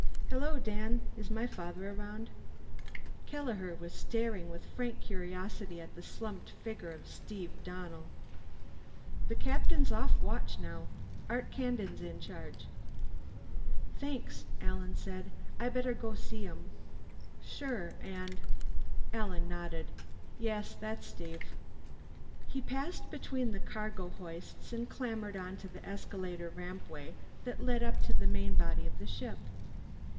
"Hello, Dan. Is my father around?" Kelleher was staring with frank curiosity at the slumped figure of Steve Donnell. "The Captain's off watch now. Art Kandin's in charge." "Thanks," Alan said. "I'd better go see him." "Sure. And " Alan nodded. "Yes. That's Steve." He passed between the cargo hoists and clambered onto the escalator rampway that led to the main body of the ship.